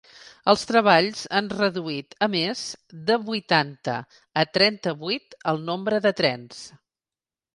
Els treballs han reduït, a més, de vuitanta a trenta-vuit el nombre de trens.